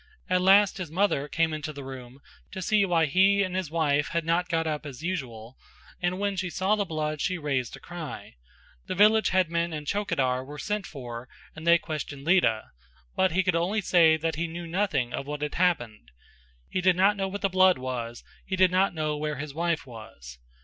At last his mother came into the room to see why he and his wife had not got up as usual and when she saw the blood she raised a cry; the village headman and chowkidar were sent for and they questioned Lita, but he could only say that he knew nothing of what had happened; he did not know what the blood was, he did not know where his wife was.